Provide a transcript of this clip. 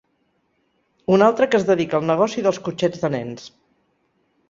Un altre que es dedica al negoci dels cotxets de nens.